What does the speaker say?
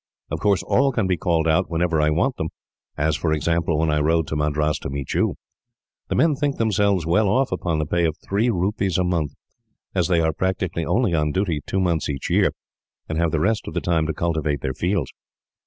Of course, all can be called out whenever I want them, as, for example, when I rode to Madras to meet you. The men think themselves well off upon the pay of three rupees a month, as they are practically only on duty two months each year, and have the rest of the time to cultivate their fields.